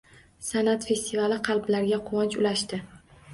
San’at festivali qalblarga quvonch ulashdi